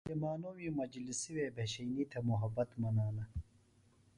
عالمانومی مجلسی بھشئینی تھےۡ محبت منانہ۔